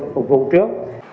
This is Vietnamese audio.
chúng tôi phục vụ trước